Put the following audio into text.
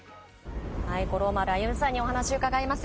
五郎丸歩さんにお話伺います。